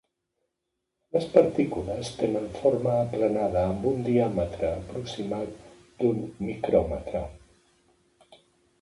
Les partícules tenen forma aplanada amb un diàmetre aproximat d'un micròmetre.